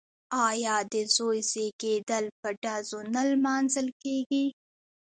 آیا د زوی زیږیدل په ډزو نه لمانځل کیږي؟